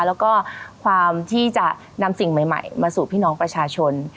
แล้วก็ความที่จะนำสิ่งใหม่มาสู่พี่น้องประชาชน